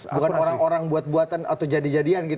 bukan orang orang buat buatan atau jadi jadian